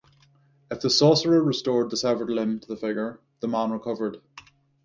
If the sorcerer restored the severed limb to the figure, the man recovered.